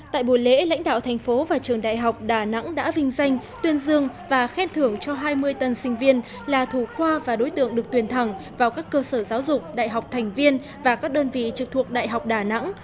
tại buổi lễ lãnh đạo thành phố và trường đại học đà nẵng đã vinh danh tuyên dương và khen thưởng cho hai mươi tân sinh viên là thủ khoa và đối tượng được tuyển thẳng vào các cơ sở giáo dục đại học thành viên và các đơn vị trực thuộc đại học đà nẵng